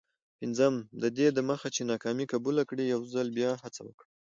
پنځم: ددې دمخه چي ناکامي قبوله کړې، یوځل بیا هڅه وکړه.